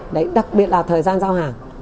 đấy đặc biệt là thời gian giao hàng